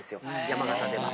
山形では。